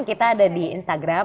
kita ada di instagram